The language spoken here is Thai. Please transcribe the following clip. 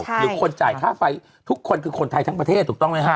หรือคนจ่ายค่าไฟทุกคนคือคนไทยทั้งประเทศถูกต้องไหมฮะ